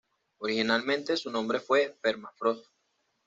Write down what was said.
Originalmente, su nombre fue Permafrost.